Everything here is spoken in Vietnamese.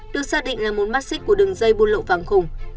được xác định là một mắt xích của đường dây buôn lậu vàng khủng